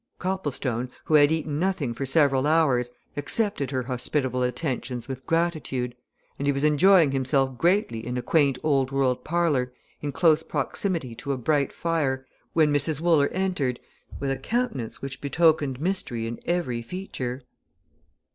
Copplestone, who had eaten nothing for several hours, accepted her hospitable attentions with gratitude, and he was enjoying himself greatly in a quaint old world parlour, in close proximity to a bright fire, when Mrs. Wooler entered with a countenance which betokened mystery in every feature.